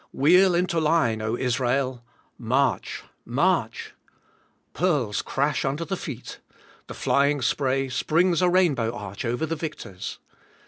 Wheel into line, O Israel! March! March! Pearls crash under the feet. The flying spray springs a rainbow arch over the victors.